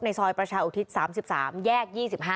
ซอยประชาอุทิศ๓๓แยก๒๕